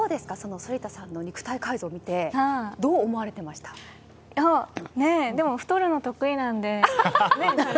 反田さんの肉体改造を見てでも、太るのが得意なので、彼。